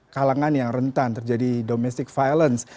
kalangan yang rentan terjadi domestic violence